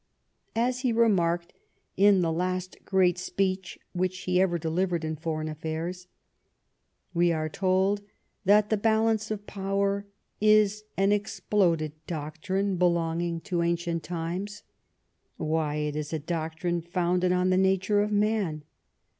As he remarked in the last great speech which he ever delivered on foreign affairs— We are told that the balance of power is an exploded doctrine belonging to ancient times. Why, it is a doctrine founded on the nature of man.